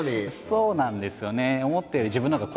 そうなんですよね。